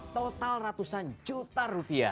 total ratusan juta rupiah